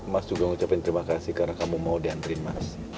mas juga ngucapin terima kasih karena kamu mau diantri mas